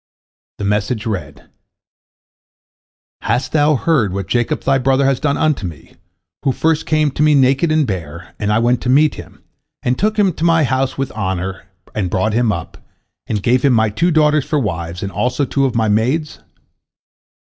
The message read: "Hast thou heard what Jacob thy brother has done unto me, who first came to me naked and bare, and I went to meet him, and took him to my house with honor, and brought him up, and gave him my two daughters for wives, and also two of my maids?